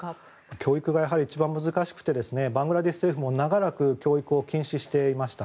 教育が一番難しくてバングラデシュ政府も長らく教育を禁止していました。